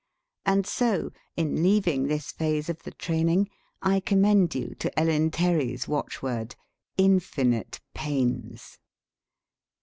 And so, in leaving this phase of the training, I commend you to Ellen Terry's watchword, "infinite pains."